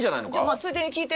まあついでに聞いて。